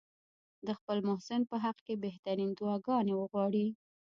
د خپل محسن په حق کې بهترینې دعاګانې وغواړي.